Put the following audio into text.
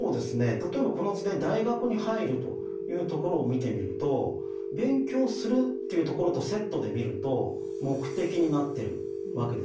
例えばこの図で大学に入るというところを見てみると勉強するというところとセットで見ると目的になってるわけですね。